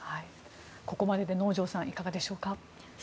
ここまでで能條さん、いかがでしょうか？